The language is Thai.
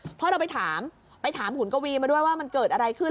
เพราะเราไปถามไปถามขุนกวีมาด้วยว่ามันเกิดอะไรขึ้น